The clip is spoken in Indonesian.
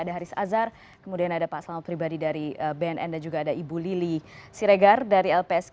ada haris azhar kemudian ada pak selamat pribadi dari bnn dan juga ada ibu lili siregar dari lpsk